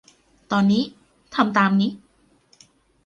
ตอนนี้ทำตามนี้